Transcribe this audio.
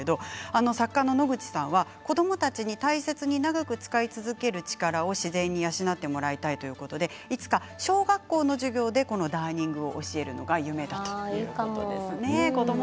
作家の野口さんは子どもたちに大切に長く使い続ける力を自然に養ってもらいたいということでいつか小学校の授業でこのダーニングを教えるのが夢だいいかも。